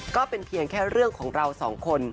ก็เป็นเพียงแค่เรื่องของเราสองคน